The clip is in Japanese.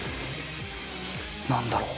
何だろう？